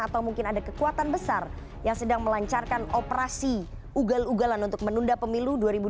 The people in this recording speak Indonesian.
atau mungkin ada kekuatan besar yang sedang melancarkan operasi ugal ugalan untuk menunda pemilu dua ribu dua puluh